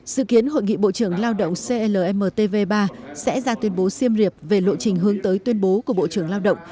sự kiến hội nghị bộ trưởng lao động clmtv ba sẽ ra tuyên bố siem reap về lộ trình hướng tới tuyên bố của bộ trưởng lao động